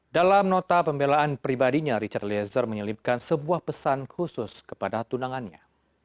dalam nota pembelaan pribadinya richard eliezer menyelipkan sebuah pesan khusus kepada tunangannya